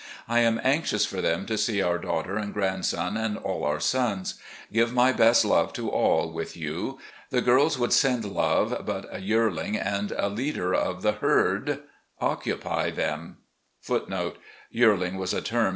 I am anxious for them to see our daughter and grandson and all our sons. Give my best love to all with you. The girls would send love, but a 'yearling' and a 'leader of the herd'* occupy them.